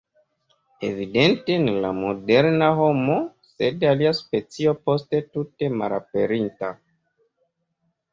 Evidente ne la moderna homo, sed alia specio poste tute malaperinta.